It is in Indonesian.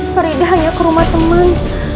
frida hanya ke rumah teman